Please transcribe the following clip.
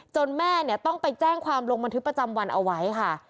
แม่เนี่ยต้องไปแจ้งความลงบันทึกประจำวันเอาไว้ค่ะ